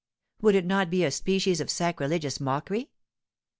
Would it not be a species of sacrilegious mockery?